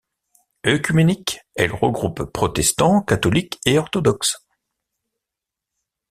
Œcuménique, elle regroupe protestants, catholiques et orthodoxes.